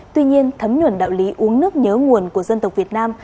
tuy nhiên thấm nhuần đạo lý uống nước nhớ nguồn của dân tộc việt nam